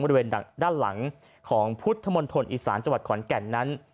บริเวณด้านหลังของพุทธมณฑลอีสานจังหวัดขอนแก่นนั้น